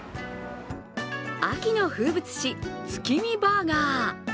秋の風物詩、月見バーガー。